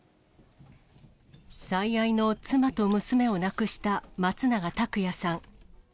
最愛の妻と娘を亡くした、松永拓也さん。